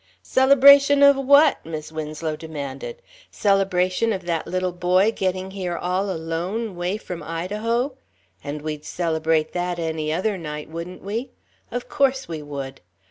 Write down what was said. "Celebration of what?" Mis' Winslow demanded; "celebration of that little boy getting here all alone, 'way from Idaho. And we'd celebrate that any other night, wouldn't we? Of course we would.